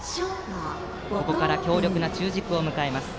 ここから強力な中軸を迎えます。